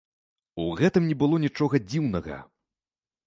У гэтым не было нічога дзіўнага.